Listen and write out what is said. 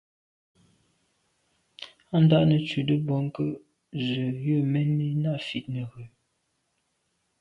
Á ndǎ’ nə̀ tswìdə̌ bwɔ́ŋkə́’ zə̄ yə̂n mɛ́n lî nâ’ fît nə̀ rə̌.